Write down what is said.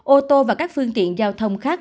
ô tô và các phương tiện giao thông khác